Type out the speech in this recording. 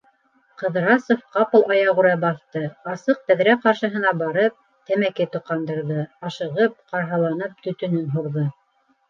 - Ҡыҙрасов ҡапыл аяғүрә баҫты, асыҡ тәҙрә ҡаршыһына барып, тәмәке тоҡандырҙы, ашығып, ҡарһаланып төтөн һурҙы.